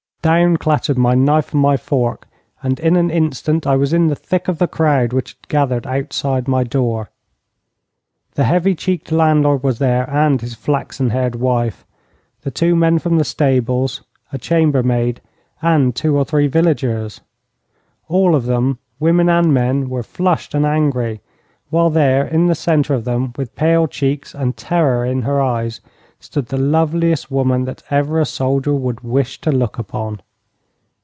Down clattered my knife and my fork, and in an instant I was in the thick of the crowd which had gathered outside my door. The heavy cheeked landlord was there and his flaxen haired wife, the two men from the stables, a chambermaid, and two or three villagers. All of them, women and men, were flushed and angry, while there in the centre of them, with pale cheeks and terror in her eyes, stood the loveliest woman that ever a soldier would wish to look upon.